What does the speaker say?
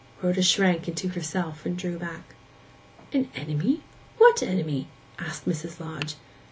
Rhoda shrank into herself, and drew back. 'An enemy? What enemy?' asked Mrs. Lodge.